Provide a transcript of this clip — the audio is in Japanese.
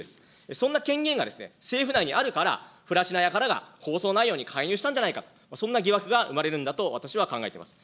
そんな権限が政府内にあるから不埒な輩が放送内容に介入したんじゃないか、そんな疑惑が生まれるんだと私は考えています。